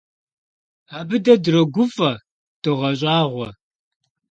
Абы дэ дрогуфӀэ, догъэщӀагъуэ.